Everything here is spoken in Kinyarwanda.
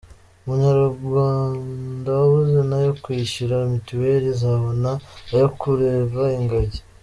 Umunyarwanda wabuze nayo kwishyura mituwele azabona ayo kureva ingagi.